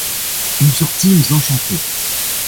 Nous sortîmes enchantées.